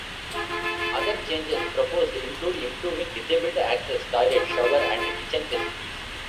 Other changes proposed include improving disabled access, toilet, shower and kitchen facilities.